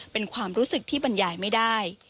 เป็นความรู้สึกที่บรรยายไม่ได้